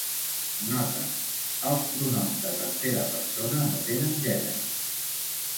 Nota: els pronoms de tercera persona no tenen gènere.